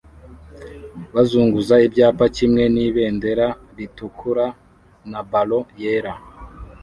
bazunguza ibyapa kimwe nibendera ritukura na ballon yera